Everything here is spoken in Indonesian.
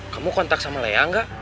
kamu kontak sama lea enggak